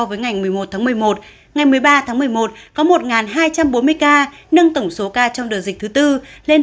với ngày một mươi một tháng một mươi một ngày một mươi ba tháng một mươi một có một hai trăm bốn mươi ca nâng tổng số ca trong đợt dịch thứ tư lên